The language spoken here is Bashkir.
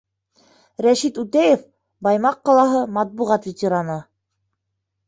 Рәшит Үтәев, Баймаҡ ҡалаһы, матбуғат ветераны: